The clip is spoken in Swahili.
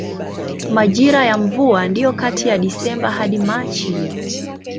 Majira ya mvua ndiyo kati ya Desemba hadi Machi.